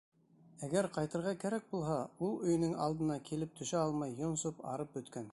Әгәр ҡайтырға кәрәк булһа, ул өйөнөң алдына килеп төшә алмай йонсоп, арып бөткән.